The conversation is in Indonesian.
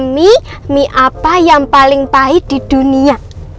mie mie apa yang paling pahit di dunia